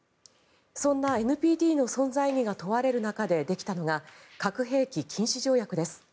そんなＮＰＴの存在意義が問われる中でできたのが核兵器禁止条約です。